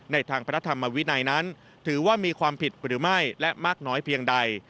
ทางพระธรรมวินัยนั้นถือว่ามีความผิดหรือไม่และมากน้อยเพียงใด